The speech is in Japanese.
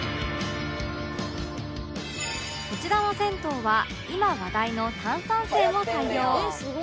こちらの銭湯は今話題の炭酸泉を採用